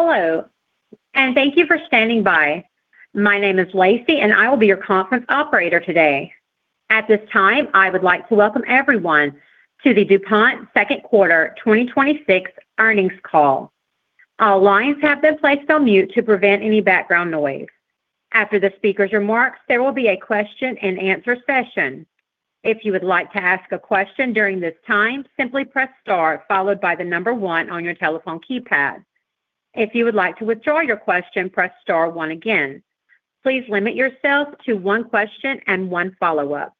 Hello, and thank you for standing by. My name is Lacey, and I will be your conference operator today. At this time, I would like to welcome everyone to the DuPont second quarter 2026 earnings call. All lines have been placed on mute to prevent any background noise. After the speaker's remarks, there will be a question and answer session. If you would like to ask a question during this time, simply press star followed by the number one on your telephone keypad. If you would like to withdraw your question, press star one again. Please limit yourself to one question and one follow-up.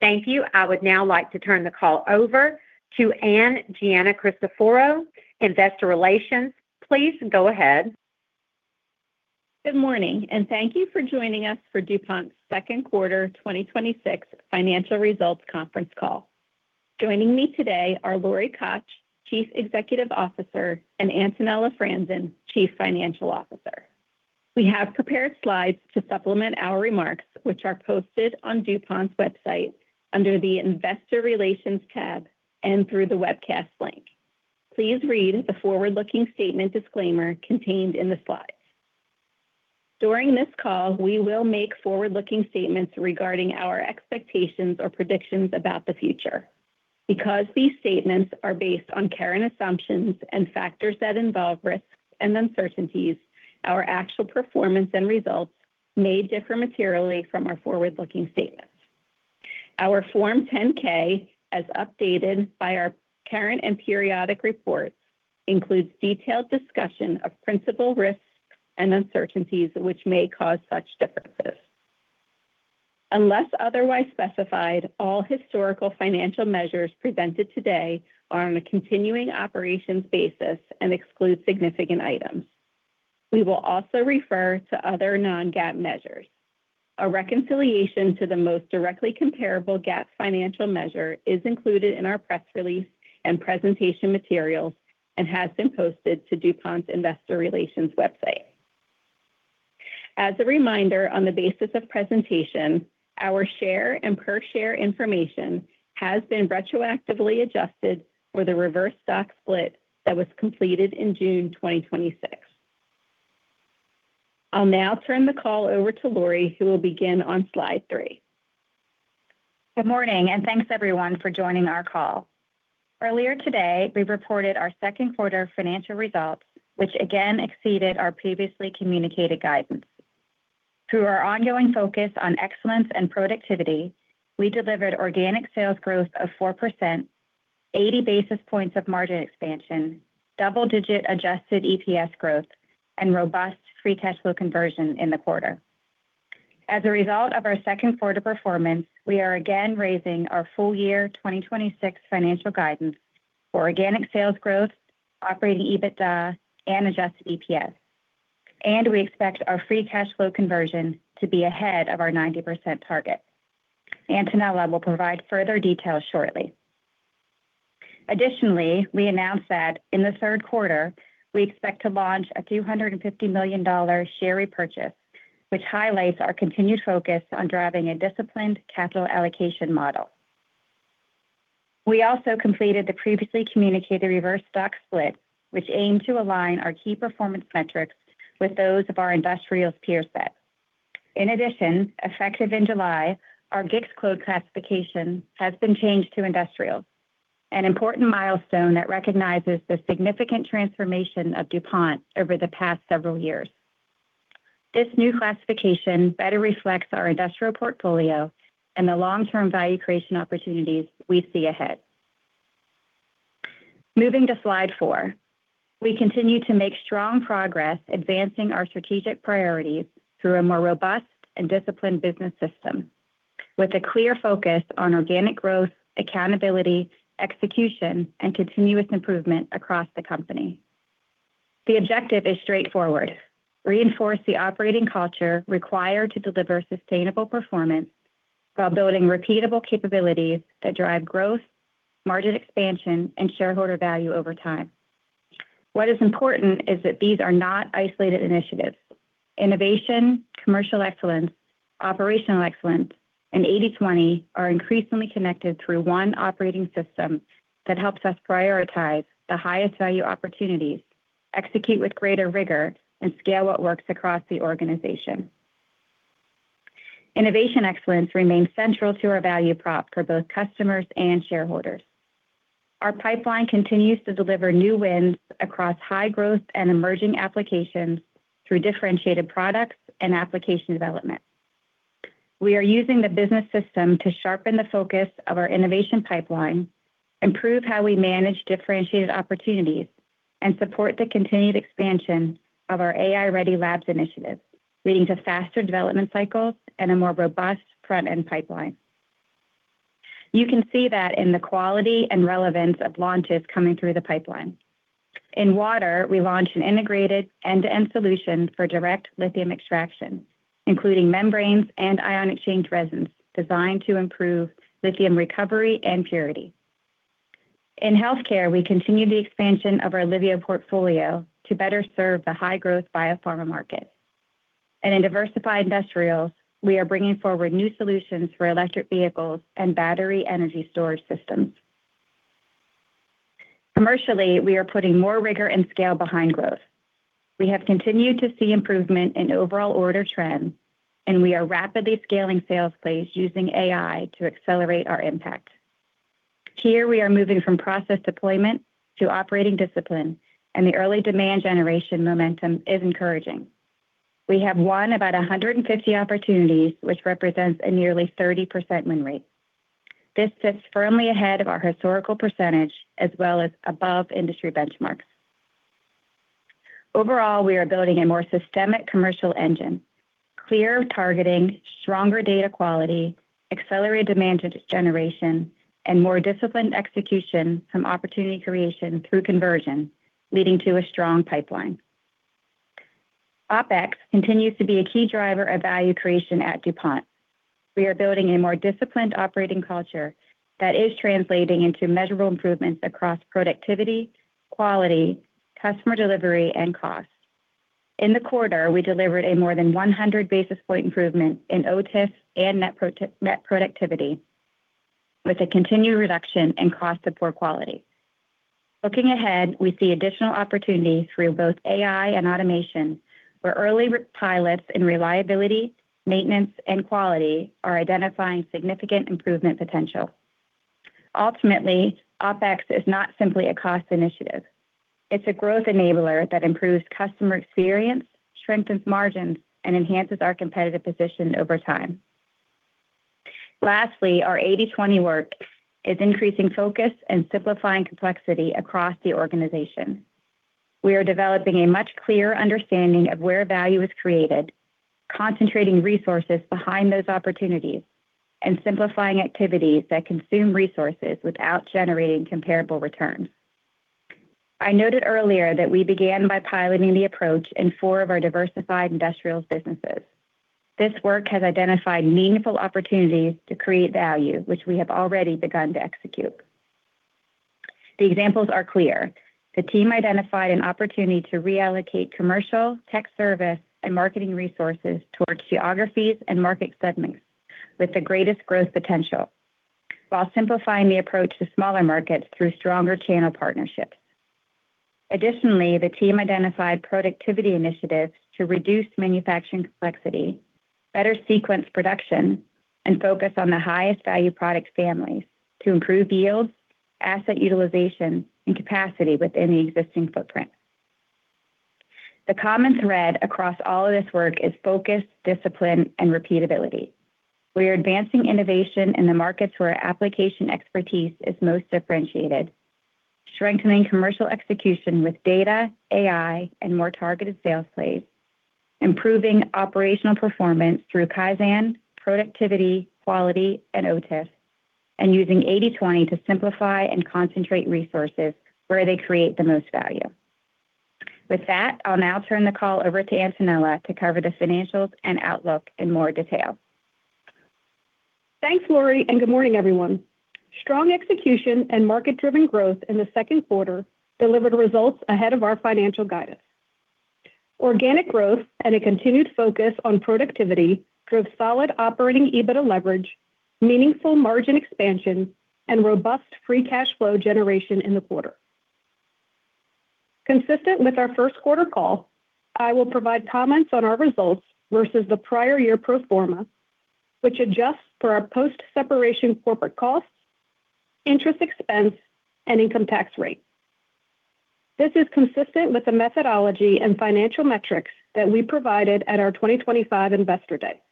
Thank you. I would now like to turn the call over to Ann Giancristoforo, Investor Relations. Please go ahead. Good morning, and thank you for joining us for DuPont's second quarter 2026 financial results conference call. Joining me today are Lori Koch, Chief Executive Officer, and Antonella Franzen, Chief Financial Officer. We have prepared slides to supplement our remarks, which are posted on DuPont's website under the Investor Relations tab and through the webcast link. Please read the forward-looking statement disclaimer contained in the slides. During this call, we will make forward-looking statements regarding our expectations or predictions about the future. Because these statements are based on current assumptions and factors that involve risks and uncertainties, our actual performance and results may differ materially from our forward-looking statements. Our Form 10-K, as updated by our current and periodic reports, includes detailed discussion of principal risks and uncertainties which may cause such differences. Unless otherwise specified, all historical financial measures presented today are on a continuing operations basis and exclude significant items. We will also refer to other non-GAAP measures. A reconciliation to the most directly comparable GAAP financial measure is included in our press release and presentation materials and has been posted to DuPont's Investor Relations website. As a reminder, on the basis of presentation, our share and per share information has been retroactively adjusted for the reverse stock split that was completed in June 2026. I'll now turn the call over to Lori, who will begin on slide three. Good morning, and thanks everyone for joining our call. Earlier today, we reported our second quarter financial results, which again exceeded our previously communicated guidance. Through our ongoing focus on excellence and productivity, we delivered organic sales growth of 4%, 80 basis points of margin expansion, double-digit adjusted EPS growth, and robust free cash flow conversion in the quarter. As a result of our second quarter performance, we are again raising our full year 2026 financial guidance for organic sales growth, operating EBITDA and adjusted EPS. We expect our free cash flow conversion to be ahead of our 90% target. Additionally, we announced that in the third quarter, we expect to launch a $250 million share repurchase, which highlights our continued focus on driving a disciplined capital allocation model. We also completed the previously communicated reverse stock split, which aimed to align our key performance metrics with those of our industrial peer set. In addition, effective in July, our GICS code classification has been changed to industrial, an important milestone that recognizes the significant transformation of DuPont over the past several years. This new classification better reflects our industrial portfolio and the long-term value creation opportunities we see ahead. Moving to slide four. We continue to make strong progress advancing our strategic priorities through a more robust and disciplined business system with a clear focus on organic growth, accountability, execution, and continuous improvement across the company. The objective is straightforward: reinforce the operating culture required to deliver sustainable performance while building repeatable capabilities that drive growth, margin expansion, and shareholder value over time. What is important is that these are not isolated initiatives. Innovation, commercial excellence, operational excellence, and 80/20 are increasingly connected through one operating system that helps us prioritize the highest value opportunities, execute with greater rigor, and scale what works across the organization. Innovation excellence remains central to our value prop for both customers and shareholders. Our pipeline continues to deliver new wins across high growth and emerging applications through differentiated products and application development. We are using the business system to sharpen the focus of our innovation pipeline, improve how we manage differentiated opportunities, and support the continued expansion of our AI-ready labs initiative, leading to faster development cycles and a more robust front-end pipeline. You can see that in the quality and relevance of launches coming through the pipeline. In water, we launched an integrated end-to-end solution for direct lithium extraction, including membranes and ion exchange resins designed to improve lithium recovery and purity. In healthcare, we continue the expansion of our Liveo portfolio to better serve the high growth biopharma market in Diversified Industrials, we are bringing forward new solutions for electric vehicles and battery energy storage systems. Commercially, we are putting more rigor and scale behind growth. We have continued to see improvement in overall order trends, and we are rapidly scaling sales plays using AI to accelerate our impact. Here we are moving from process deployment to operating discipline, and the early demand generation momentum is encouraging. We have won about 150 opportunities, which represents a nearly 30% win rate. This sits firmly ahead of our historical percentage as well as above industry benchmarks. Overall, we are building a more systemic commercial engine, clear targeting stronger data quality, accelerated demand generation, and more disciplined execution from opportunity creation through conversion, leading to a strong pipeline. OpEx continues to be a key driver of value creation at DuPont. We are building a more disciplined operating culture that is translating into measurable improvements across productivity, quality, customer delivery, and cost. In the quarter, we delivered a more than 100 basis point improvement in OTIF and net productivity, with a continued reduction in cost of poor quality. Looking ahead, we see additional opportunities through both AI and automation, where early pilots in reliability, maintenance, and quality are identifying significant improvement potential. Ultimately, OpEx is not simply a cost initiative. It's a growth enabler that improves customer experience, strengthens margins, and enhances our competitive position over time. Lastly, our 80/20 work is increasing focus and simplifying complexity across the organization. We are developing a much clearer understanding of where value is created, concentrating resources behind those opportunities, and simplifying activities that consume resources without generating comparable returns. I noted earlier that we began by piloting the approach in four of our Diversified Industrials businesses. This work has identified meaningful opportunities to create value, which we have already begun to execute. The examples are clear. The team identified an opportunity to reallocate commercial, tech service, and marketing resources towards geographies and market segments with the greatest growth potential, while simplifying the approach to smaller markets through stronger channel partnerships. Additionally, the team identified productivity initiatives to reduce manufacturing complexity, better sequence production, and focus on the highest value product families to improve yield, asset utilization, and capacity within the existing footprint. The common thread across all of this work is focus, discipline, and repeatability. We are advancing innovation in the markets where our application expertise is most differentiated, strengthening commercial execution with data, AI, and more targeted sales plays, improving operational performance through Kaizen, productivity, quality, and OTIF, and using 80/20 to simplify and concentrate resources where they create the most value. With that, I'll now turn the call over to Antonella to cover the financials and outlook in more detail. Thanks, Lori. Good morning, everyone. Strong execution and market-driven growth in the second quarter delivered results ahead of our financial guidance. Organic growth and a continued focus on productivity drove solid operating EBITDA leverage, meaningful margin expansion, and robust free cash flow generation in the quarter. Consistent with our first quarter call, I will provide comments on our results versus the prior year pro forma, which adjusts for our post-separation corporate costs, interest expense, and income tax rate. This is consistent with the methodology and financial metrics that we provided at our 2025 Investor Day.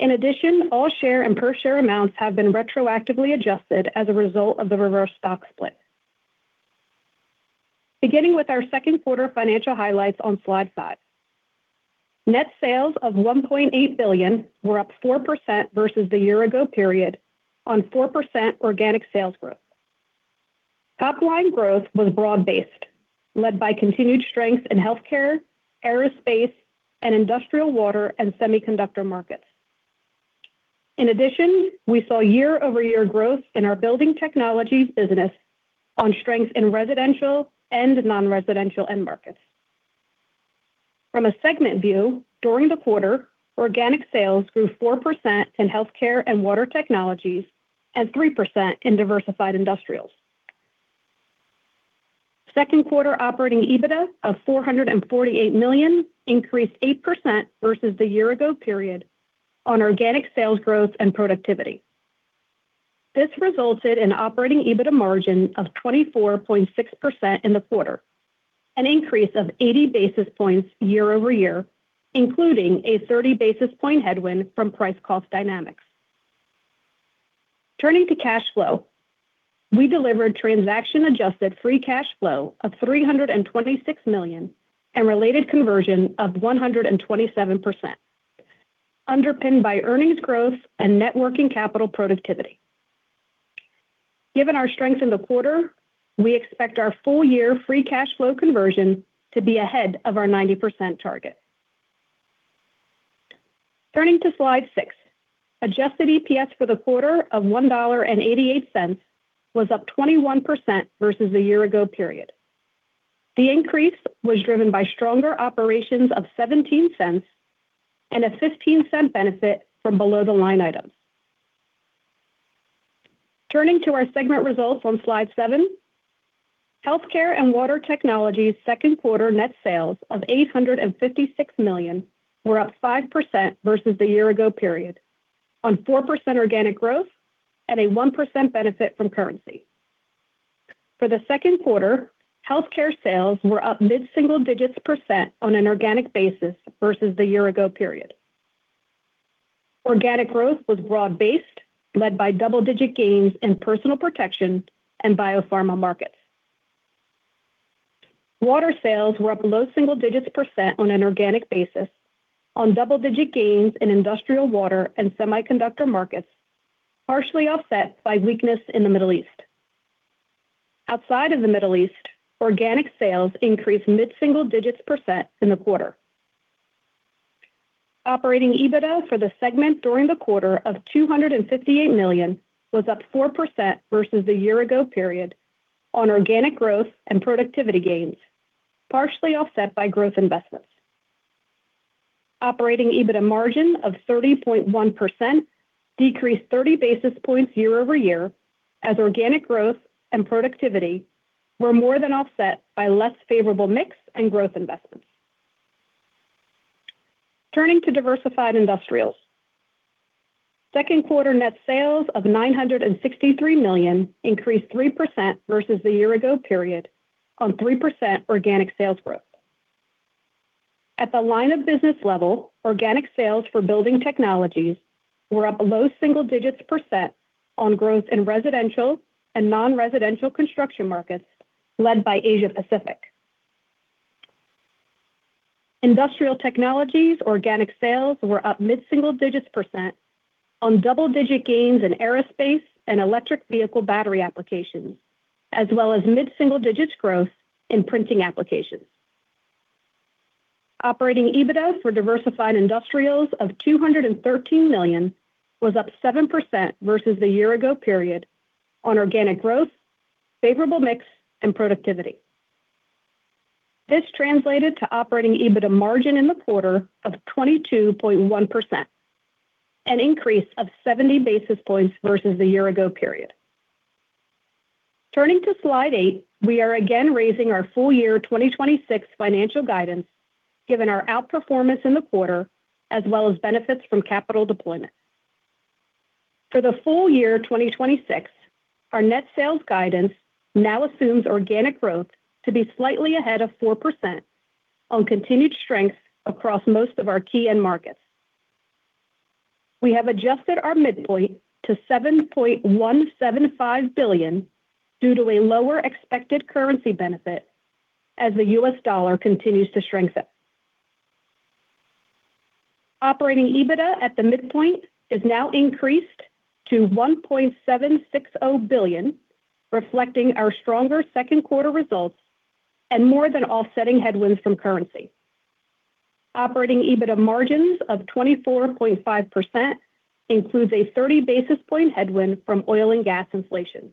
In addition, all share and per share amounts have been retroactively adjusted as a result of the reverse stock split. Beginning with our second quarter financial highlights on slide five. Net sales of $1.8 billion were up 4% versus the year ago period on 4% organic sales growth. Topline growth was broad-based, led by continued strength in healthcare, aerospace, and industrial water and semiconductor markets. In addition, we saw year-over-year growth in our building technologies business on strength in residential and non-residential end markets. From a segment view, during the quarter, organic sales grew 4% in Healthcare & Water Technologies and 3% in Diversified Industrials. Second quarter operating EBITDA of $448 million increased 8% versus the year-ago period on organic sales growth and productivity. This resulted in operating EBITDA margin of 24.6% in the quarter, an increase of 80 basis points year-over-year, including a 30 basis point headwind from price-cost dynamics. Turning to cash flow, we delivered transaction-adjusted free cash flow of $326 million and related conversion of 127%, underpinned by earnings growth and networking capital productivity. Given our strength in the quarter, we expect our full year free cash flow conversion to be ahead of our 90% target. Turning to slide six, adjusted EPS for the quarter of $1.88 was up 21% versus the year-ago period. The increase was driven by stronger operations of $0.17 and a $0.15 benefit from below-the-line items. Turning to our segment results on slide seven, Healthcare & Water Technologies' second quarter net sales of $856 million were up 5% versus the year-ago period, on 4% organic growth and a 1% benefit from currency. For the second quarter, healthcare sales were up mid-single-digits percent on an organic basis versus the year-ago period. Organic growth was broad-based, led by double-digit gains in personal protection and biopharma markets. Water sales were up low-single-digits percent on an organic basis on double-digit gains in industrial water and semiconductor markets, partially offset by weakness in the Middle East. Outside of the Middle East, organic sales increased mid-single-digits percent in the quarter. Operating EBITDA for the segment during the quarter of $258 million was up 4% versus the year-ago period on organic growth and productivity gains, partially offset by growth investments. Operating EBITDA margin of 30.1% decreased 30 basis points year-over-year, as organic growth and productivity were more than offset by less favorable mix and growth investments. Turning to Diversified Industrials, second quarter net sales of $963 million increased 3% versus the year-ago period on 3% organic sales growth. At the line of business level, organic sales for building technologies were up low-single-digits percent on growth in residential and non-residential construction markets, led by Asia-Pacific. Industrial technologies' organic sales were up mid-single-digits percent on double-digit gains in aerospace and electric vehicle battery applications, as well as mid-single-digits growth in printing applications. Operating EBITDA for Diversified Industrials of $213 million was up 7% versus the year-ago period on organic growth, favorable mix, and productivity. This translated to operating EBITDA margin in the quarter of 22.1%, an increase of 70 basis points versus the year-ago period. Turning to slide eight, we are again raising our full year 2026 financial guidance, given our outperformance in the quarter, as well as benefits from capital deployment. For the full year 2026, our net sales guidance now assumes organic growth to be slightly ahead of 4% on continued strength across most of our key end markets. We have adjusted our midpoint to $7.175 billion due to a lower expected currency benefit as the U.S. dollar continues to strengthen. Operating EBITDA at the midpoint is now increased to $1.760 billion, reflecting our stronger second quarter results and more than offsetting headwinds from currency. Operating EBITDA margins of 24.5% includes a 30 basis point headwind from oil and gas inflation.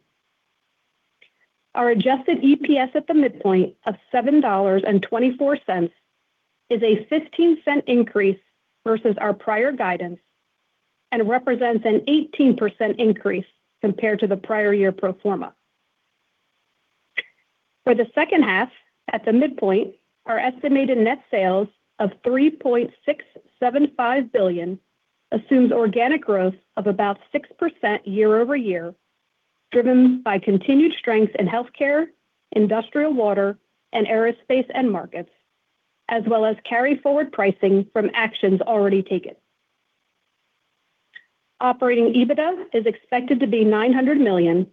Our adjusted EPS at the midpoint of $7.24 is a $0.15 increase versus our prior guidance and represents an 18% increase compared to the prior year pro forma. For the second half, at the midpoint, our estimated net sales of $3.675 billion assumes organic growth of about 6% year-over-year, driven by continued strength in Healthcare, industrial water, and aerospace end markets, as well as carry forward pricing from actions already taken. Operating EBITDA is expected to be $900 million,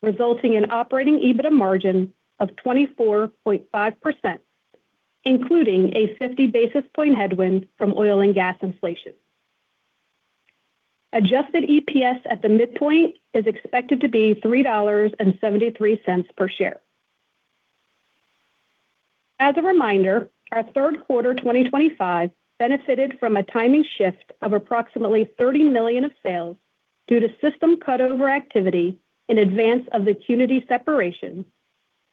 resulting in Operating EBITDA margin of 24.5%, including a 50 basis point headwind from oil and gas inflation. Adjusted EPS at the midpoint is expected to be $3.73 per share. As a reminder, our third quarter 2025 benefited from a timing shift of approximately $30 million of sales due to system cut-over activity in advance of the Qnity separation,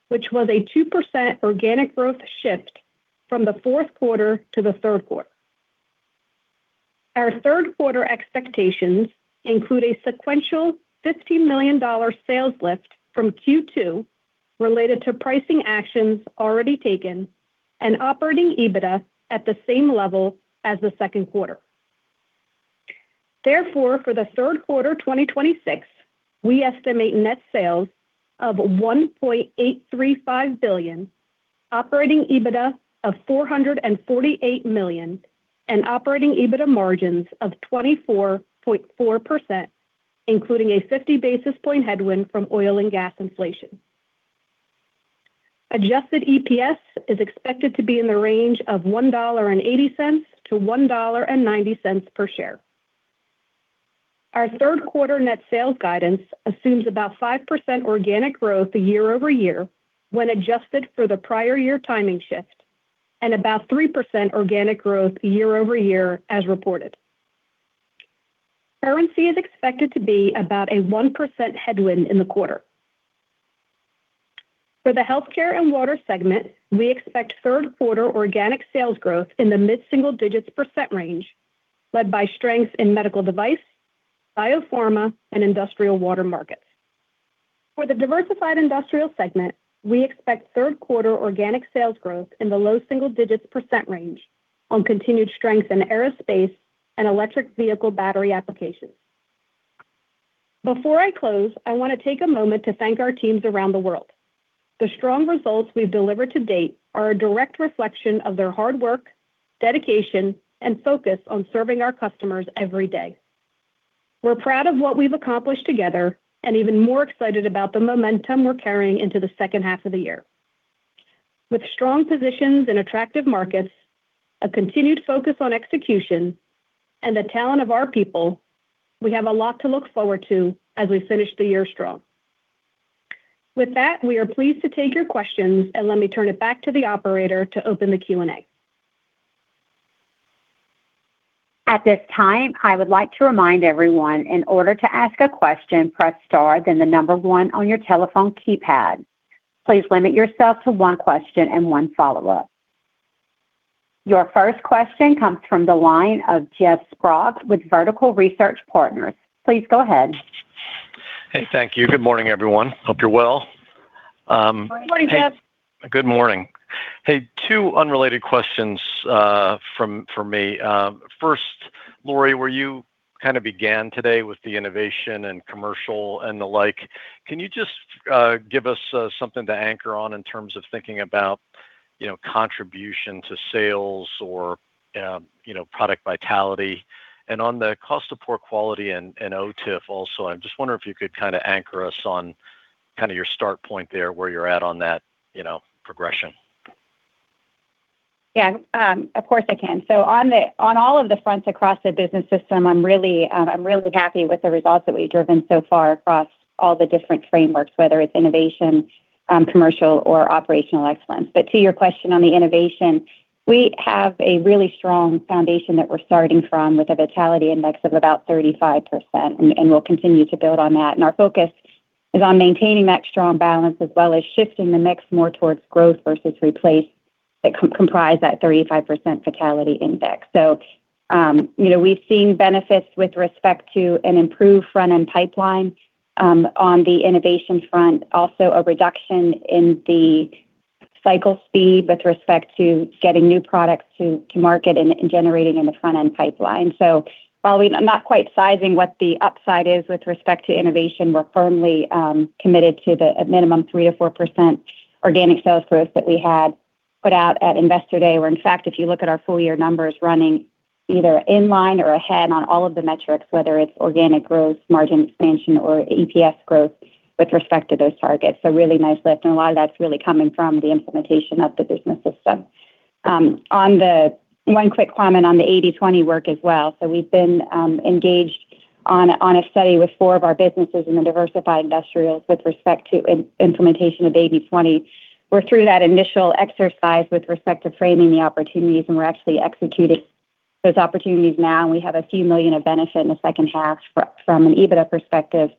which was a 2% organic growth shift from the fourth quarter to the third quarter. Our third quarter expectations include a sequential $50 million sales lift from Q2 related to pricing actions already taken and Operating EBITDA at the same level as the second quarter. Therefore, for the third quarter 2026, we estimate net sales of $1.835 billion, Operating EBITDA of $448 million, and Operating EBITDA margins of 24.4%, including a 50 basis point headwind from oil and gas inflation. Adjusted EPS is expected to be in the range of $1.80-$1.90 per share. Our third quarter net sales guidance assumes about 5% organic growth year-over-year when adjusted for the prior year timing shift and about 3% organic growth year-over-year as reported. Currency is expected to be about a 1% headwind in the quarter. For the Healthcare & Water segment, we expect third quarter organic sales growth in the mid-single-digits percent range, led by strength in medical device, biopharma, and industrial water markets. For the Diversified Industrials segment, we expect third quarter organic sales growth in the low-single-digits percent range on continued strength in aerospace and electric vehicle battery applications. Before I close, I want to take a moment to thank our teams around the world. The strong results we've delivered to date are a direct reflection of their hard work, dedication, and focus on serving our customers every day. We're proud of what we've accomplished together and even more excited about the momentum we're carrying into the second half of the year. With strong positions in attractive markets, a continued focus on execution, and the talent of our people, we have a lot to look forward to as we finish the year strong. With that, we are pleased to take your questions, and let me turn it back to the operator to open the Q&A. At this time, I would like to remind everyone, in order to ask a question, press star, then the number one on your telephone keypad. Please limit yourself to one question and one follow-up. Your first question comes from the line of Jeff Sprague with Vertical Research Partners. Please go ahead. Hey, thank you. Good morning, everyone. Hope you're well. Good morning, Jeff. Good morning. Hey, two unrelated questions from me. First, Lori, where you kind of began today with the innovation and commercial and the like, can you just give us something to anchor on in terms of thinking about contribution to sales or product vitality? On the cost of poor quality and OTIF also, I'm just wondering if you could kind of anchor us on your start point there, where you're at on that progression. Yeah. Of course, I can. On all of the fronts across the business system, I'm really happy with the results that we've driven so far across all the different frameworks, whether it's innovation, commercial, or operational excellence. But to your question on the innovation, we have a really strong foundation that we're starting from with a vitality index of about 35%, and we'll continue to build on that. Our focus is on maintaining that strong balance, as well as shifting the mix more towards growth versus replace that comprise that 35% vitality index. We've seen benefits with respect to an improved front-end pipeline on the innovation front, also a reduction in the cycle speed with respect to getting new products to market and generating in the front-end pipeline. While I'm not quite sizing what the upside is with respect to innovation, we're firmly committed to the minimum 3%-4% organic sales growth that we had put out at Investor Day, where in fact, if you look at our full-year numbers running either in line or ahead on all of the metrics, whether it's organic growth, margin expansion, or EPS growth with respect to those targets. Really nice lift, and a lot of that's really coming from the implementation of the business system. One quick comment on the 80/20 work as well. We've been engaged on a study with four of our businesses in the Diversified Industrials with respect to implementation of 80/20. We're through that initial exercise with respect to framing the opportunities, and we're actually executing those opportunities now, we have a few million of benefit in the second half from an EBITDA perspective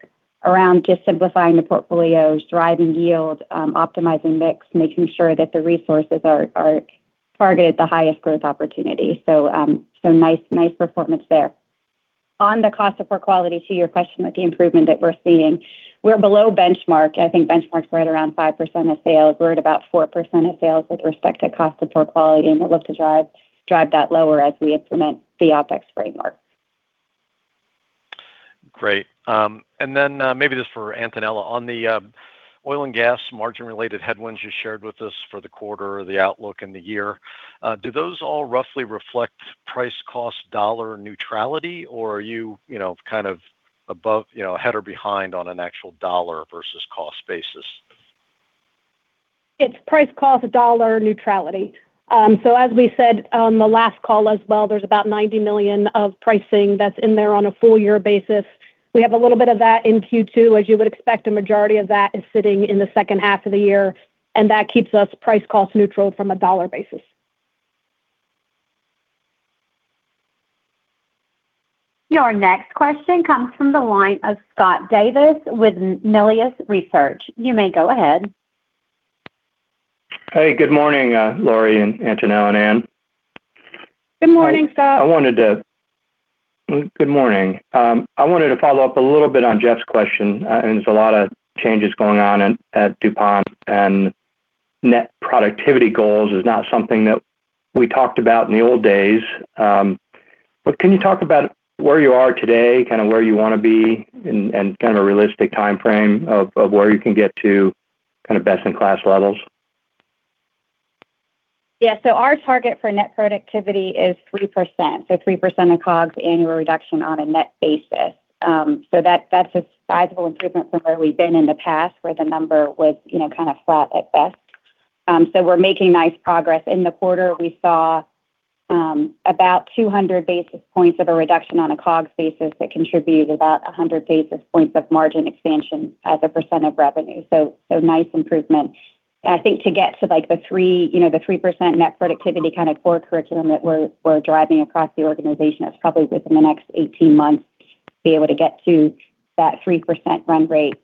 around just simplifying the portfolios, driving yield, optimizing mix, making sure that the resources are targeted at the highest growth opportunity. Nice performance there. On the cost of poor quality, to your question, with the improvement that we're seeing, we're below benchmark. I think benchmark's right around 5% of sales. We're at about 4% of sales with respect to cost of poor quality, and we'd look to drive that lower as we implement the OpEx framework. Great. Then, maybe this is for Antonella. On the oil and gas margin-related headwinds you shared with us for the quarter or the outlook in the year, do those all roughly reflect price cost dollar neutrality or are you kind of above, ahead or behind on an actual dollar versus cost basis? It's price cost dollar neutrality. As we said on the last call as well, there's about $90 million of pricing that's in there on a full-year basis. We have a little bit of that in Q2. As you would expect, a majority of that is sitting in the second half of the year, and that keeps us price cost neutral from a dollar basis. Your next question comes from the line of Scott Davis with Melius Research. You may go ahead. Hey, good morning, Lori and Antonella and Ann. Good morning, Scott. Good morning. I wanted to follow up a little bit on Jeff's question. There's a lot of changes going on at DuPont, net productivity goals is not something that we talked about in the old days. Can you talk about where you are today, kind of where you want to be, and kind of a realistic timeframe of where you can get to kind of best-in-class levels? Our target for net productivity is 3%, 3% of COGS annual reduction on a net basis. That's a sizable improvement from where we've been in the past where the number was kind of flat at best. We're making nice progress. In the quarter, we saw about 200 basis points of a reduction on a COGS basis that contributed about 100 basis points of margin expansion as a percentage of revenue. Nice improvement. I think to get to the 3% net productivity kind of core curriculum that we're driving across the organization, that's probably within the next 18 months, to be able to get to that 3% run rate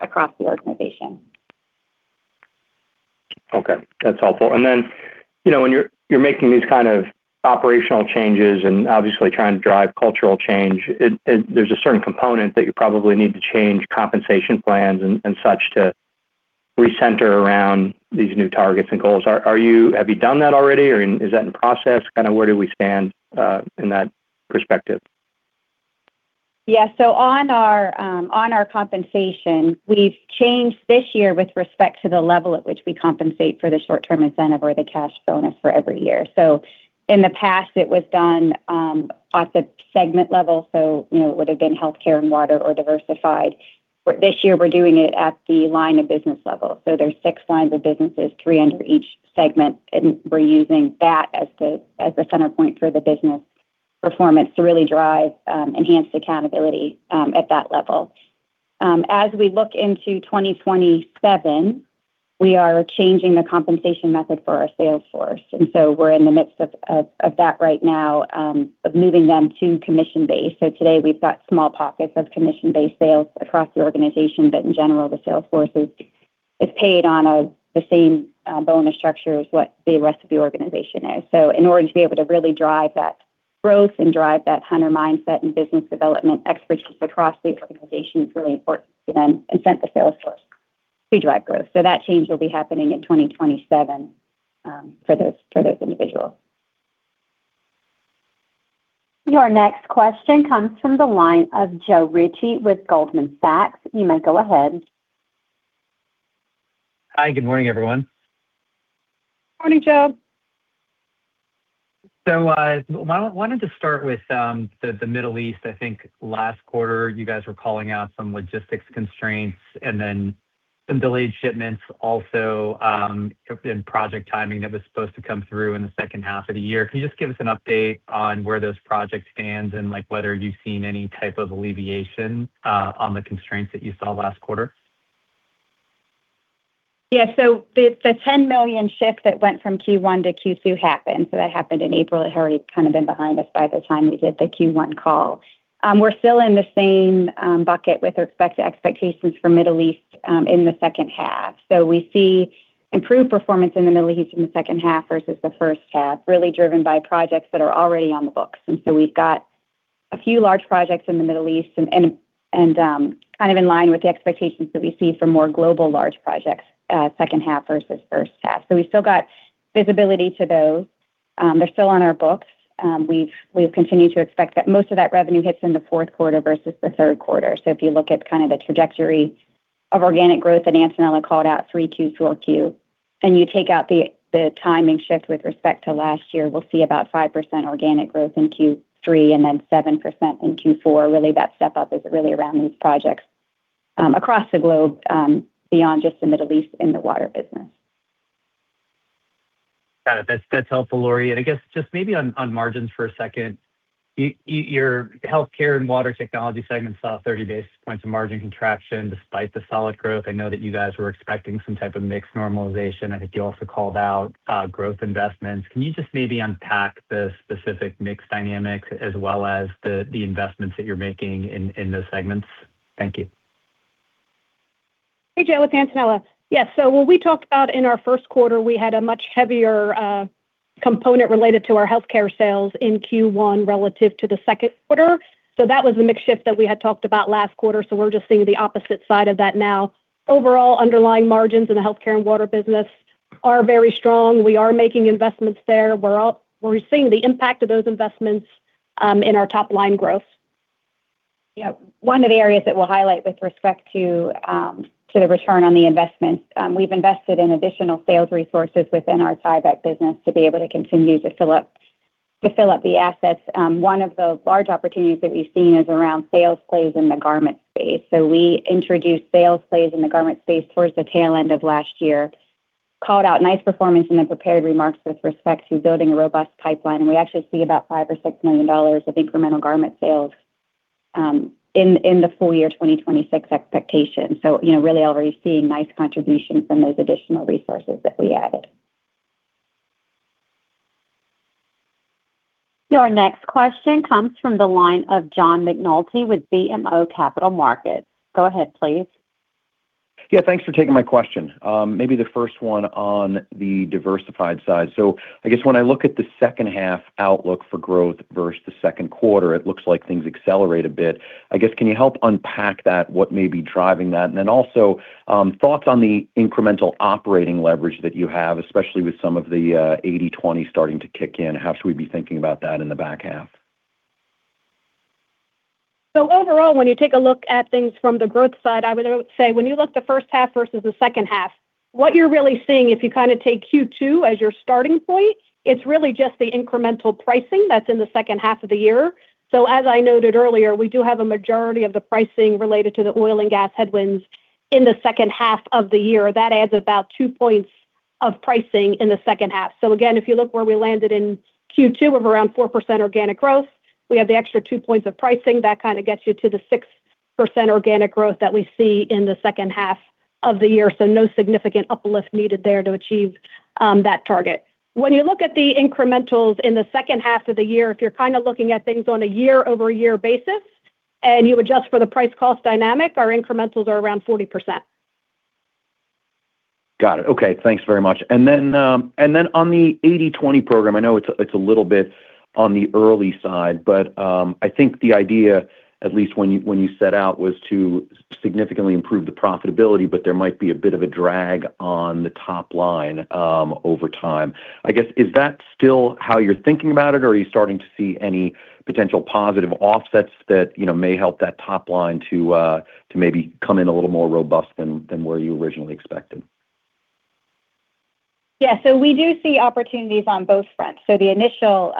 across the organization. Okay. That's helpful. Then, when you're making these kind of operational changes and obviously trying to drive cultural change, there's a certain component that you probably need to change compensation plans and such to recenter around these new targets and goals. Have you done that already, or is that in process? Where do we stand in that perspective? Yeah. On our compensation, we've changed this year with respect to the level at which we compensate for the short-term incentive or the cash bonus for every year. In the past, it was done at the segment level, so it would have been Healthcare & Water or Diversified. This year, we're doing it at the line of business level. There's six lines of businesses, three under each segment, and we're using that as the center point for the business performance to really drive enhanced accountability at that level. As we look into 2027, we are changing the compensation method for our sales force, and we're in the midst of that right now, of moving them to commission-based. Today, we've got small pockets of commission-based sales across the organization. In general, the sales force is paid on the same bonus structure as what the rest of the organization is. In order to be able to really drive that growth and drive that hunter mindset and business development expertise across the organization, it's really important to then incent the sales force to drive growth. That change will be happening in 2027 for those individuals. Your next question comes from the line of Joe Ritchie with Goldman Sachs. You may go ahead. Hi, good morning, everyone. Morning, Joe. I wanted to start with the Middle East. I think last quarter, you guys were calling out some logistics constraints and then some delayed shipments also in project timing that was supposed to come through in the second half of the year. Can you just give us an update on where those projects stand and whether you've seen any type of alleviation on the constraints that you saw last quarter? Yeah. The $10 million shift that went from Q1 to Q2 happened. That happened in April. It had already kind of been behind us by the time we did the Q1 call. We're still in the same bucket with respect to expectations for Middle East in the second half. We see improved performance in the Middle East in the second half versus the first half, really driven by projects that are already on the books. We've got a few large projects in the Middle East and kind of in line with the expectations that we see for more global large projects, second half versus first half. We've still got visibility to those. They're still on our books. We've continued to expect that most of that revenue hits in the fourth quarter versus the third quarter. If you look at kind of the trajectory of organic growth that Antonella called out 3Q, 4Q, and you take out the timing shift with respect to last year, we'll see about 5% organic growth in Q3 and then 7% in Q4. Really, that step-up is really around these projects across the globe, beyond just the Middle East in the water business. Got it. That's helpful, Lori. I guess just maybe on margins for a second, your Healthcare & Water Technologies segment saw 30 basis points of margin contraction despite the solid growth. I know that you guys were expecting some type of mix normalization. I think you also called out growth investments. Can you just maybe unpack the specific mix dynamics as well as the investments that you're making in those segments? Thank you. Hey, Joe. It's Antonella. Yeah. What we talked about in our first quarter, we had a much heavier component related to our healthcare sales in Q1 relative to the second quarter. That was the mix shift that we had talked about last quarter. We're just seeing the opposite side of that now. Overall, underlying margins in the healthcare and water business are very strong. We are making investments there. We're seeing the impact of those investments in our top-line growth. Yeah. One of the areas that we'll highlight with respect to the return on the investment, we've invested in additional sales resources within our Tyvek business to be able to continue to fill up the assets. One of the large opportunities that we've seen is around sales plays in the garment space. We introduced sales plays in the garment space towards the tail end of last year. Called out nice performance in the prepared remarks with respect to building a robust pipeline, and we actually see about $5 million or $6 million of incremental garment sales in the full year 2026 expectation. Really already seeing nice contributions from those additional resources that we added. Your next question comes from the line of John McNulty with BMO Capital Markets. Go ahead, please. Thanks for taking my question. Maybe the first one on the Diversified side. I guess when I look at the second half outlook for growth versus the second quarter, it looks like things accelerate a bit. I guess, can you help unpack that, what may be driving that? Also, thoughts on the incremental operating leverage that you have, especially with some of the 80/20 starting to kick in. How should we be thinking about that in the back half? Overall, when you take a look at things from the growth side, I would say when you look at the first half versus the second half, what you're really seeing if you kind of take Q2 as your starting point, it's really just the incremental pricing that's in the second half of the year. As I noted earlier, we do have a majority of the pricing related to the oil and gas headwinds in the second half of the year. That adds about two points of pricing in the second half. Again, if you look where we landed in Q2 of around 4% organic growth, we have the extra two points of pricing that kind of gets you to the 6% organic growth that we see in the second half of the year. No significant uplift needed there to achieve that target. When you look at the incrementals in the second half of the year, if you're kind of looking at things on a year-over-year basis, and you adjust for the price cost dynamic, our incrementals are around 40%. Got it. Okay. Thanks very much. On the 80/20 program, I know it's a little bit on the early side, but I think the idea, at least when you set out, was to significantly improve the profitability, but there might be a bit of a drag on the top line over time. I guess, is that still how you're thinking about it? Are you starting to see any potential positive offsets that may help that top line to maybe come in a little more robust than where you originally expected? We do see opportunities on both fronts. The initial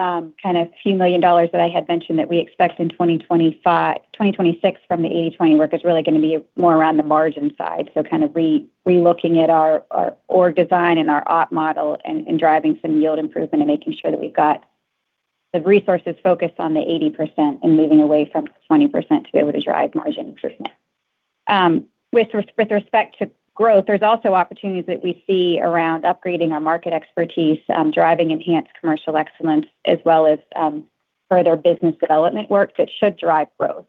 kind of few million dollars that I had mentioned that we expect in 2026 from the 80/20 work is really going to be more around the margin side, so kind of re-looking at our org design and our op model and driving some yield improvement and making sure that we've got the resources focused on the 80% and moving away from 20% to be able to drive margin improvement. With respect to growth, there's also opportunities that we see around upgrading our market expertise, driving enhanced commercial excellence, as well as further business development work that should drive growth.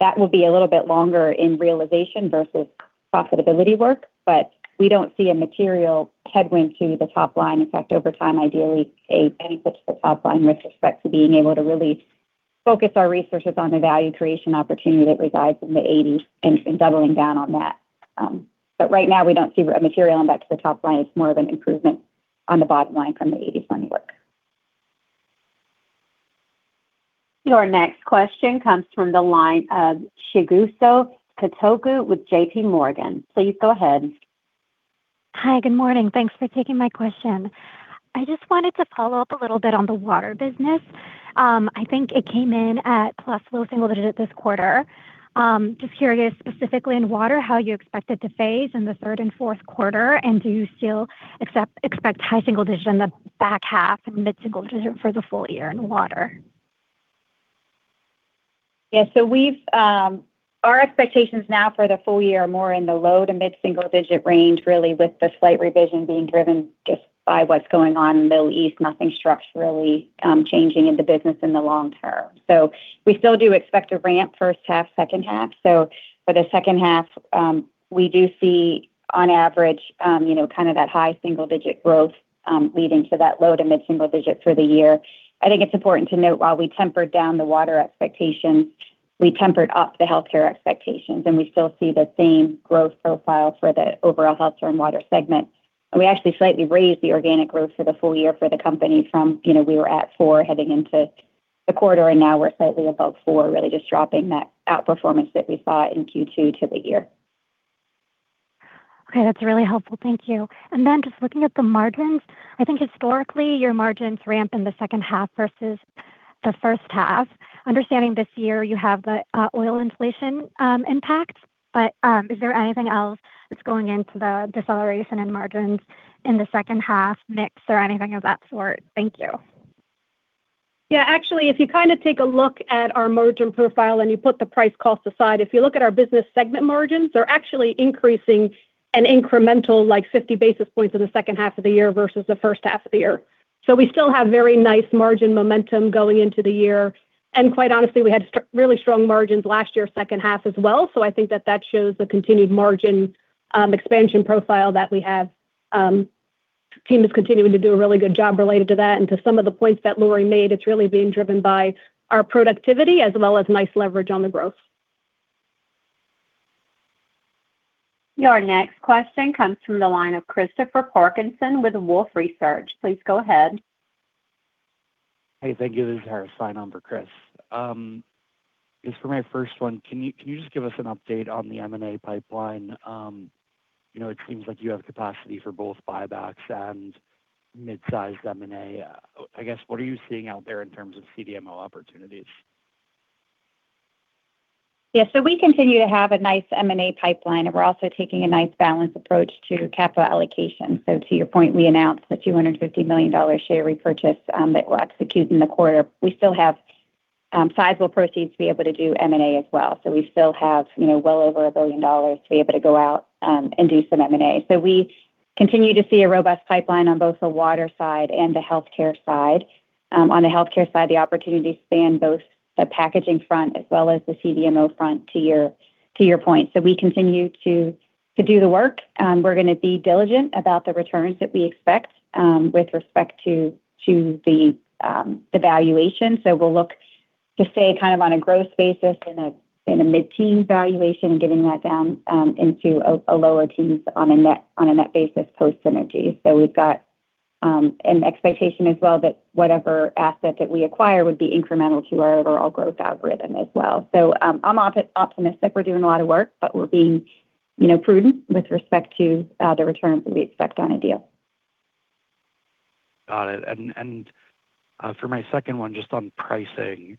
That will be a little bit longer in realization versus profitability work, but we don't see a material headwind to the top line. In fact, over time, ideally, a benefit to the top line with respect to being able to really focus our resources on the value creation opportunity that resides in the 80 and doubling down on that. Right now, we don't see a material impact to the top line. It's more of an improvement on the bottom line from the 80/20 work. Your next question comes from the line of Chigusa Katoku with JPMorgan. Please go ahead. Hi, good morning. Thanks for taking my question. I just wanted to follow up a little bit on the water business. I think it came in at plus low-single-digit this quarter. Just curious, specifically in water, how you expect it to phase in the third and fourth quarter, and do you still expect high-single-digit in the back half and mid-single-digit for the full year in water? Yeah, our expectations now for the full year are more in the low to mid-single-digit range, really with the slight revision being driven just by what's going on in the Middle East, nothing structurally changing in the business in the long term. We still do expect a ramp first half, second half. For the second half, we do see, on average, kind of that high-single-digit growth leading to that low to mid-single-digit for the year. I think it's important to note while we tempered down the water expectations, we tempered up the healthcare expectations, and we still see the same growth profile for the overall Healthcare & Water segment. We actually slightly raised the organic growth for the full year for the company from, we were at four heading into the quarter, and now we're slightly above four, really just dropping that outperformance that we saw in Q2 to the year. Okay, that's really helpful. Thank you. Then just looking at the margins, I think historically, your margins ramp in the second half versus the first half. Understanding this year you have the oil inflation impact, is there anything else that's going into the deceleration in margins in the second half mix or anything of that sort? Thank you. Yeah, actually, if you kind of take a look at our margin profile and you put the price cost aside, if you look at our business segment margins, they're actually increasing an incremental like 50 basis points in the second half of the year versus the first half of the year. We still have very nice margin momentum going into the year, quite honestly, we had really strong margins last year, second half as well. I think that that shows the continued margin expansion profile that we have. Team is continuing to do a really good job related to that, to some of the points that Lori made, it's really being driven by our productivity as well as nice leverage on the growth. Your next question comes from the line of Christopher Parkinson with Wolfe Research. Please go ahead. Hey, thank you. This is Harris Fein on for Chris. Just for my first one, can you just give us an update on the M&A pipeline? It seems like you have capacity for both buybacks and mid-sized M&A. I guess, what are you seeing out there in terms of CDMO opportunities? We continue to have a nice M&A pipeline, and we're also taking a nice balanced approach to capital allocation. To your point, we announced the $250 million share repurchase that we'll execute in the quarter. We still have sizable proceeds to be able to do M&A as well. We still have well over $1 billion to be able to go out and do some M&A. We continue to see a robust pipeline on both the water side and the healthcare side. On the healthcare side, the opportunities span both the packaging front as well as the CDMO front to your point. We continue to do the work. We're going to be diligent about the returns that we expect with respect to the valuation. We'll look to stay kind of on a growth basis in a mid-teen valuation and getting that down into a lower teens on a net basis post synergy. We've got an expectation as well that whatever asset that we acquire would be incremental to our overall growth algorithm as well. I'm optimistic. We're doing a lot of work, but we're being prudent with respect to the returns that we expect on a deal Got it. For my second one, just on pricing,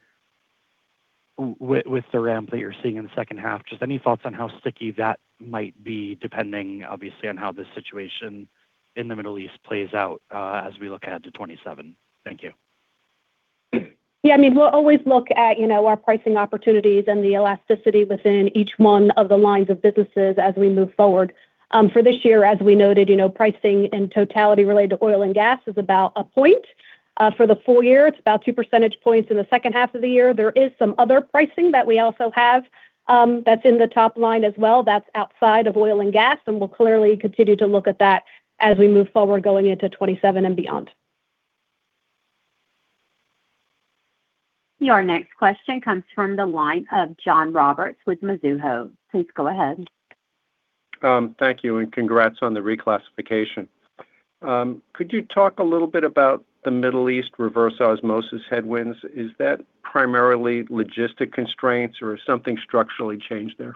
with the ramp that you're seeing in the second half, just any thoughts on how sticky that might be, depending obviously on how the situation in the Middle East plays out as we look ahead to 2027? Thank you. Yeah, we'll always look at our pricing opportunities and the elasticity within each one of the lines of businesses as we move forward. For this year, as we noted, pricing in totality related to oil and gas is about a point. For the full year, it's about two percentage points in the second half of the year. There is some other pricing that we also have that's in the top line as well that's outside of oil and gas, we'll clearly continue to look at that as we move forward going into 2027 and beyond. Your next question comes from the line of John Roberts with Mizuho. Please go ahead. Thank you, congrats on the reclassification. Could you talk a little bit about the Middle East reverse osmosis headwinds? Is that primarily logistic constraints, or is something structurally changed there?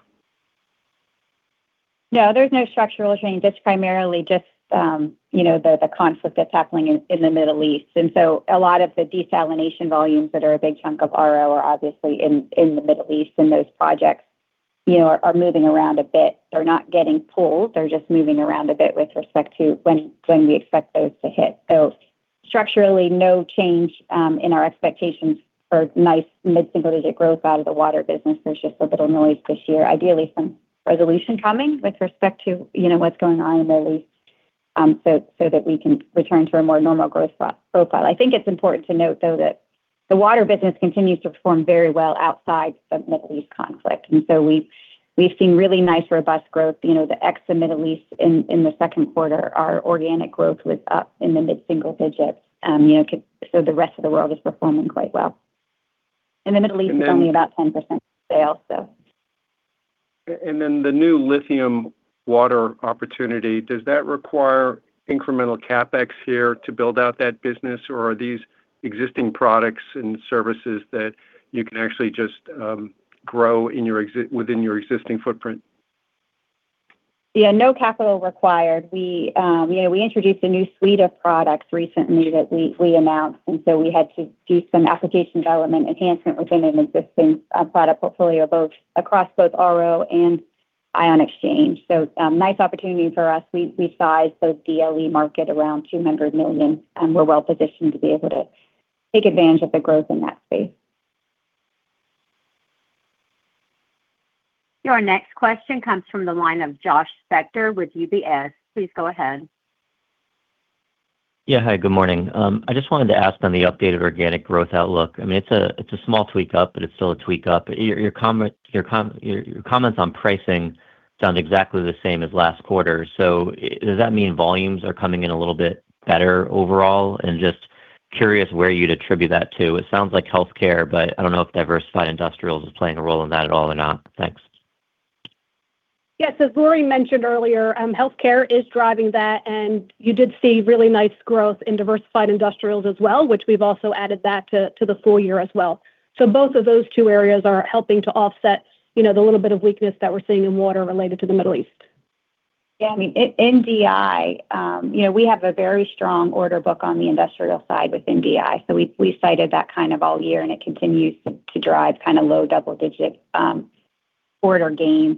No, there's no structural change. It's primarily just the conflict that's happening in the Middle East. A lot of the desalination volumes that are a big chunk of RO are obviously in the Middle East, and those projects are moving around a bit. They're not getting pulled, they're just moving around a bit with respect to when we expect those to hit. Structurally, no change in our expectations for nice mid-single-digit growth out of the water business. There's just a little noise this year. Ideally, some resolution coming with respect to what's going on in the Middle East so that we can return to a more normal growth profile. I think it's important to note, though, that the water business continues to perform very well outside the Middle East conflict. We've seen really nice robust growth. The ex-Middle East in the second quarter, our organic growth was up in the mid-single-digits. The rest of the world is performing quite well. The Middle East is only about 10% of the sale. The new lithium water opportunity, does that require incremental CapEx here to build out that business, or are these existing products and services that you can actually just grow within your existing footprint? Yeah, no capital required. We introduced a new suite of products recently that we announced, we had to do some application development enhancement within an existing product portfolio across both RO and ion exchange. Nice opportunity for us. We size the DLE market around $200 million, we're well positioned to be able to take advantage of the growth in that space. Your next question comes from the line of Josh Spector with UBS. Please go ahead. Yeah, hi. Good morning. I just wanted to ask on the updated organic growth outlook. It's a small tweak up, but it's still a tweak up. Your comments on pricing sound exactly the same as last quarter. Does that mean volumes are coming in a little bit better overall? Just curious where you'd attribute that to. It sounds like Healthcare, but I don't know if Diversified Industrials is playing a role in that at all or not. Thanks. Yes, as Lori mentioned earlier, Healthcare is driving that, and you did see really nice growth in Diversified Industrials as well, which we've also added that to the full year as well. Both of those two areas are helping to offset the little bit of weakness that we're seeing in water related to the Middle East. Yeah, in DI, we have a very strong order book on the industrial side with DI. We cited that kind of all year, and it continues to drive low-double-digit quarter gains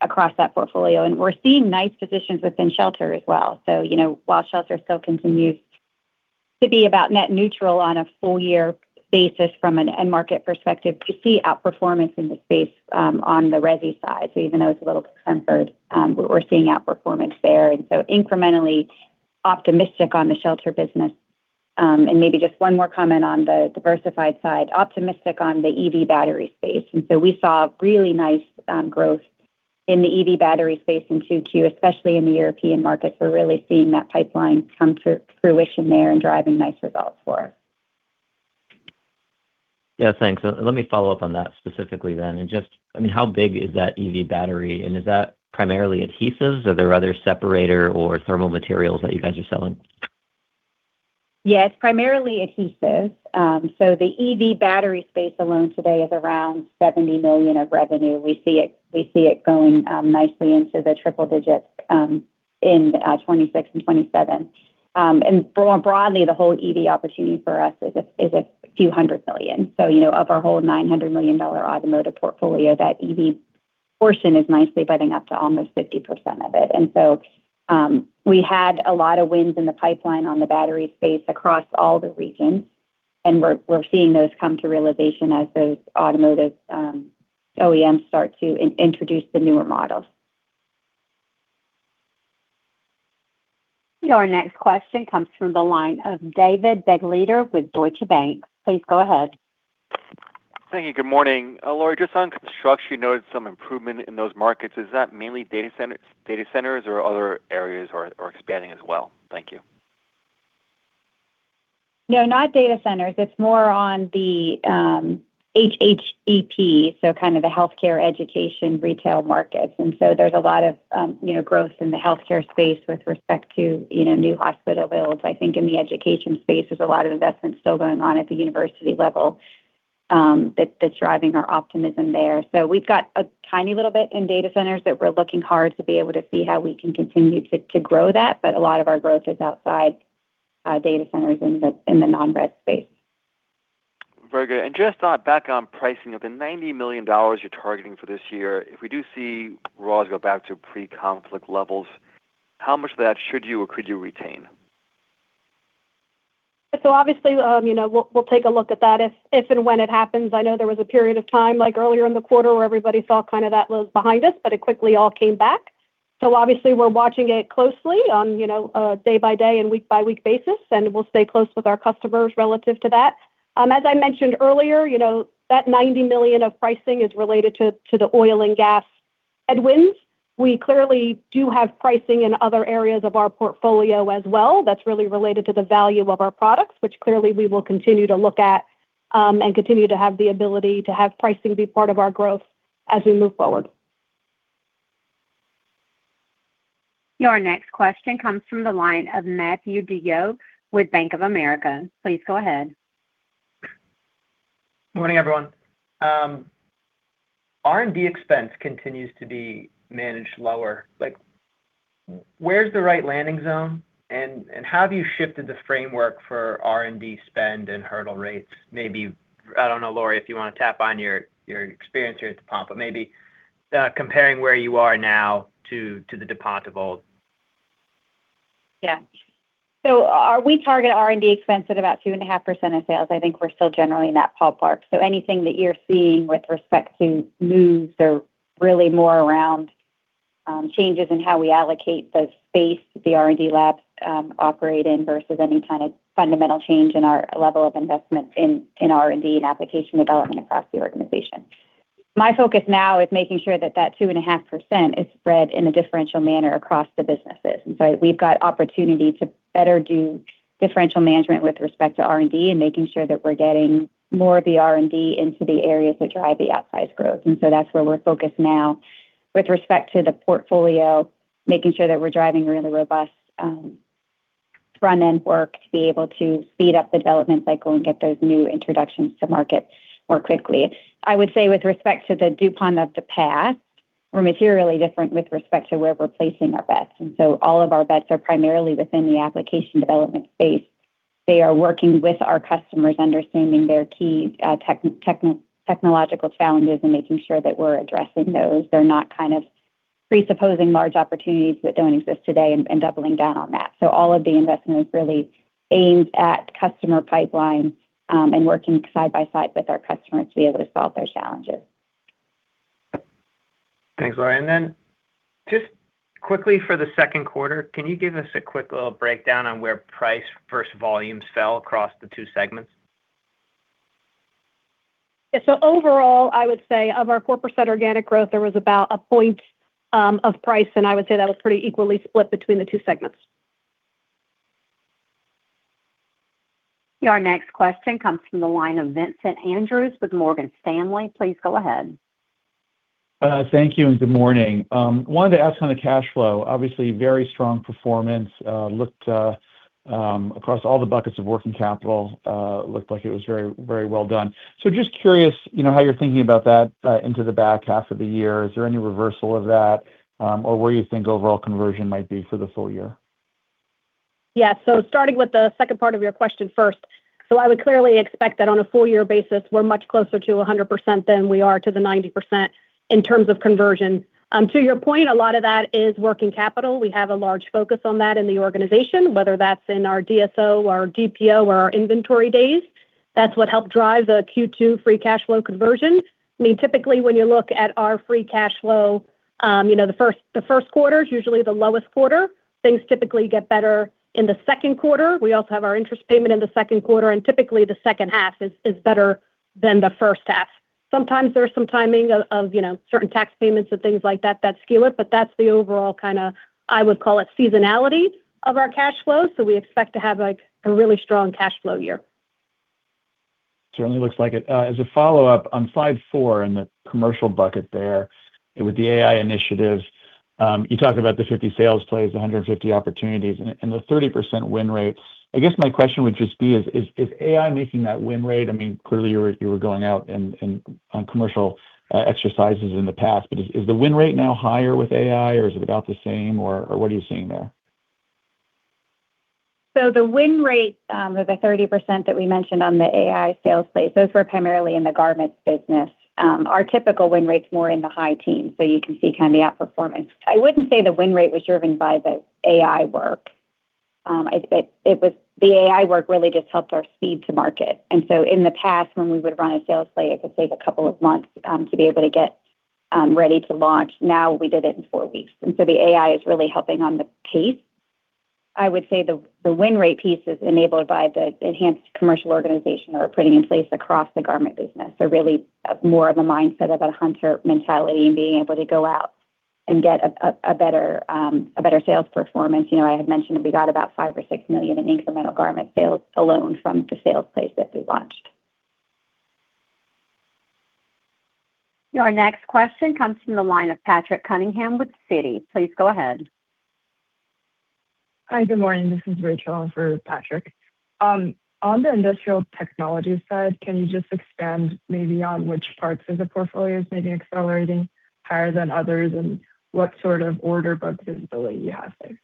across that portfolio. We're seeing nice positions within shelter as well. While shelter still continues to be about net neutral on a full year basis from an end market perspective, you see outperformance in the space on the resi side. Even though it's a little tempered, we're seeing outperformance there, incrementally optimistic on the shelter business. Maybe just one more comment on the Diversified side, optimistic on the EV battery space. We saw really nice growth in the EV battery space in 2Q, especially in the European market. We're really seeing that pipeline come to fruition there and driving nice results for us. Yeah, thanks. Let me follow up on that specifically then. Just how big is that EV battery, and is that primarily adhesives, or are there other separator or thermal materials that you guys are selling? Yeah, it's primarily adhesives. The EV battery space alone today is around $70 million of revenue. We see it going nicely into the triple-digits in 2026 and 2027. More broadly, the whole EV opportunity for us is a few hundred million. Of our whole $900 million automotive portfolio, that EV portion is nicely budding up to almost 50% of it. We had a lot of wins in the pipeline on the battery space across all the regions, and we're seeing those come to realization as those automotive OEMs start to introduce the newer models. Your next question comes from the line of David Begleiter with Deutsche Bank. Please go ahead. Thank you. Good morning. Lori, just on construction, you noted some improvement in those markets. Is that mainly data centers, or other areas are expanding as well? Thank you. No, not data centers. It's more on the HHEP, so kind of the healthcare education retail markets. There's a lot of growth in the healthcare space with respect to new hospital builds. I think in the education space, there's a lot of investment still going on at the university level. That's driving our optimism there. We've got a tiny little bit in data centers that we're looking hard to be able to see how we can continue to grow that, but a lot of our growth is outside data centers in the non-res space. Very good. Just thought back on pricing. Of the $90 million you're targeting for this year, if we do see raws go back to pre-conflict levels, how much of that should you or could you retain? Obviously, we'll take a look at that if, and when it happens. I know there was a period of time earlier in the quarter where everybody saw that was behind us, but it quickly all came back. Obviously, we're watching it closely on a day-by-day and week-by-week basis, and we'll stay close with our customers relative to that. As I mentioned earlier, that $90 million of pricing is related to the oil and gas headwinds. We clearly do have pricing in other areas of our portfolio as well that's really related to the value of our products, which clearly we will continue to look at, and continue to have the ability to have pricing be part of our growth as we move forward. Your next question comes from the line of Matthew DeYoe with Bank of America. Please go ahead. Good morning, everyone. R&D expense continues to be managed lower. Where is the right landing zone, and have you shifted the framework for R&D spend and hurdle rates? Maybe, I don't know, Lori, if you want to tap on your experience here at DuPont, but maybe comparing where you are now to the DuPont of old. Yeah. We target R&D expense at about 2.5% of sales. I think we're still generally in that ballpark. Anything that you're seeing with respect to moves are really more around changes in how we allocate the space the R&D labs operate in versus any kind of fundamental change in our level of investment in R&D and application development across the organization. My focus now is making sure that that 2.5% is spread in a differential manner across the businesses, we've got opportunity to better do differential management with respect to R&D and making sure that we're getting more of the R&D into the areas that drive the outsized growth. That's where we're focused now. With respect to the portfolio, making sure that we're driving really robust front-end work to be able to speed up the development cycle and get those new introductions to market more quickly. I would say with respect to the DuPont of the past, we're materially different with respect to where we're placing our bets, all of our bets are primarily within the application development space. They are working with our customers, understanding their key technological challenges, and making sure that we're addressing those. They're not kind of presupposing large opportunities that don't exist today and doubling down on that. All of the investment is really aimed at customer pipeline, and working side by side with our customers to be able to solve their challenges. Thanks, Lori. Just quickly for the second quarter, can you give us a quick little breakdown on where price versus volumes fell across the two segments? Overall, I would say of our 4% organic growth, there was about a point of price, and I would say that was pretty equally split between the two segments. Your next question comes from the line of Vincent Andrews with Morgan Stanley. Please go ahead. Thank you, and good morning. I wanted to ask on the cash flow, obviously very strong performance, looked across all the buckets of working capital, looked like it was very well done. Just curious, how you're thinking about that into the back half of the year. Is there any reversal of that? Or where you think overall conversion might be for the full year? Starting with the second part of your question first. I would clearly expect that on a full year basis, we're much closer to 100% than we are to the 90% in terms of conversion. To your point, a lot of that is working capital. We have a large focus on that in the organization, whether that's in our DSO, our DPO, or our inventory days. That's what helped drive the Q2 free cash flow conversion. Typically, when you look at our free cash flow, the first quarter is usually the lowest quarter. Things typically get better in the second quarter. We also have our interest payment in the second quarter, and typically the second half is better than the first half. Sometimes there's some timing of certain tax payments and things like that skew it, but that's the overall kind of, I would call it, seasonality of our cash flow. We expect to have a really strong cash flow year. Certainly looks like it. As a follow-up, on slide four in the commercial bucket there, with the AI initiatives, you talked about the 50 sales plays, the 150 opportunities and the 30% win rate. I guess my question would just be is AI making that win rate? Clearly you were going out and on commercial exercises in the past, but is the win rate now higher with AI, or is it about the same, or what are you seeing there? The win rate of the 30% that we mentioned on the AI sales plays, those were primarily in the garments business. Our typical win rate's more in the high teens, so you can see kind of the outperformance. I wouldn't say the win rate was driven by the AI work. The AI work really just helped our speed to market, in the past, when we would run a sales play, it could take a couple of months to be able to get ready to launch. Now we did it in four weeks, the AI is really helping on the pace. I would say the win rate piece is enabled by the enhanced commercial organization that we're putting in place across the garment business. Really more of a mindset of a hunter mentality and being able to go out and get a better sales performance. I had mentioned we got about $5 or $6 million in incremental garment sales alone from the sales plays that we launched. Your next question comes from the line of Patrick Cunningham with Citi. Please go ahead. Hi, good morning. This is Rachael for Patrick. On the industrial technology side, can you just expand maybe on which parts of the portfolio is maybe accelerating higher than others and what sort of order book visibility you have there?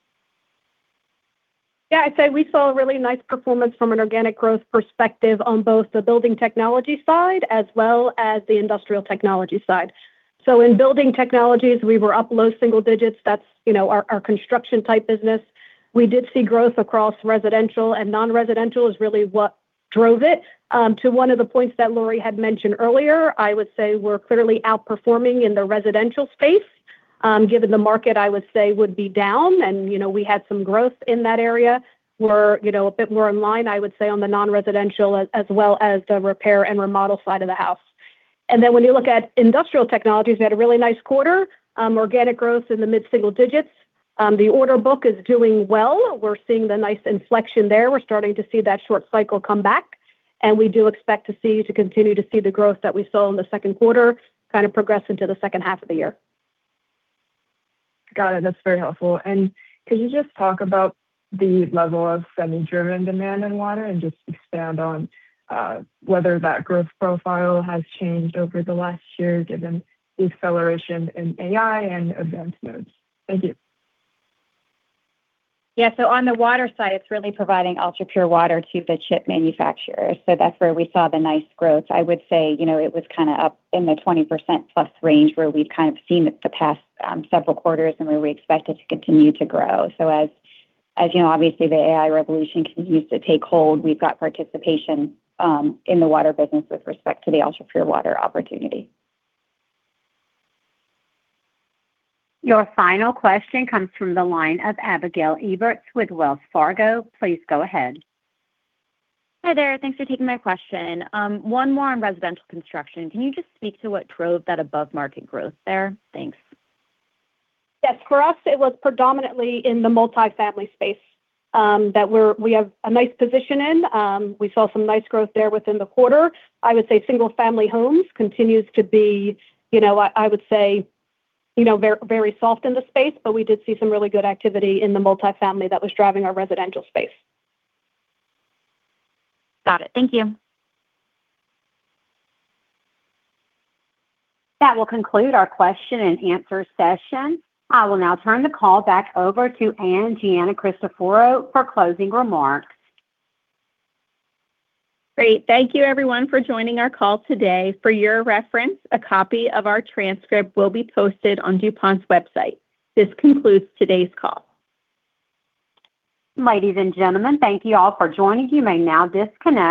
Yeah, I'd say we saw a really nice performance from an organic growth perspective on both the building technology side as well as the industrial technology side. In building technologies, we were up low-single-digits. That's our construction type business. We did see growth across residential and non-residential is really what drove it. To one of the points that Lori had mentioned earlier, I would say we're clearly outperforming in the residential space. Given the market, I would say, would be down and we had some growth in that area. We're a bit more in line, I would say, on the non-residential as well as the repair and remodel side of the house. When you look at industrial technologies, we had a really nice quarter. Organic growth in the mid-single-digits. The order book is doing well. We're seeing the nice inflection there. We're starting to see that short cycle come back, we do expect to continue to see the growth that we saw in the second quarter kind of progress into the second half of the year. Got it. That's very helpful. Could you just talk about the level of semi-driven demand in water and just expand on whether that growth profile has changed over the last year, given the acceleration in AI and advanced nodes? Thank you. On the water side, it's really providing ultrapure water to the chip manufacturers. That's where we saw the nice growth. I would say, it was kind of up in the 20%+ range where we've kind of seen it the past several quarters, and where we expect it to continue to grow. As obviously the AI revolution continues to take hold, we've got participation in the water business with respect to the ultrapure water opportunity. Your final question comes from the line of Abigail Eberts with Wells Fargo. Please go ahead. Hi there. Thanks for taking my question. One more on residential construction. Can you just speak to what drove that above-market growth there? Thanks. Yes, for us, it was predominantly in the multifamily space that we have a nice position in. We saw some nice growth there within the quarter. I would say single family homes continues to be very soft in the space. We did see some really good activity in the multifamily that was driving our residential space. Got it. Thank you. That will conclude our question and answer session. I will now turn the call back over to Ann Giancristoforo for closing remarks. Great. Thank you everyone for joining our call today. For your reference, a copy of our transcript will be posted on DuPont's website. This concludes today's call. Ladies and gentlemen, thank you all for joining. You may now disconnect.